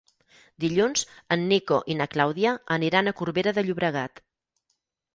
Dilluns en Nico i na Clàudia aniran a Corbera de Llobregat.